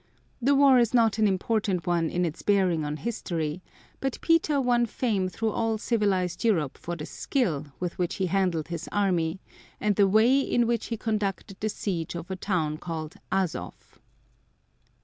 The war is not an important one in its bearing on history, but Peter won fame through all civilized Europe for the skill with which he handled his army and the way in which he conducted the siege of a town called Azov.